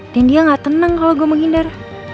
dan dia gak tenang kalo gue menghindar